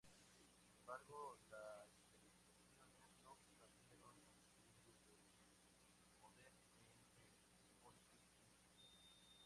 Sin embargo, las elecciones no cambiaron el equilibrio de poder en el Folketing.